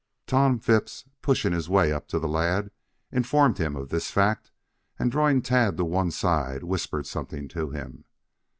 Tom Phipps pushing his way up to the lad informed him of this fact, and drawing Tad to one side whispered something to him.